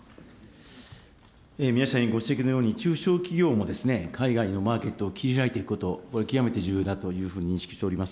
宮下委員ご指摘のように、中小企業も海外のマーケットを切りひらいていくこと、これ、極めて重要だというふうに認識しております。